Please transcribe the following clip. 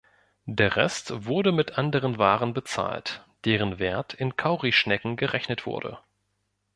Der Rest wurde mit anderen Waren bezahlt, deren Wert in Kaurischnecken gerechnet wurde.